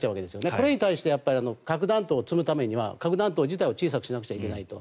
これに対して核弾頭を積むためには核弾頭自体を小さくしなくちゃいけないと。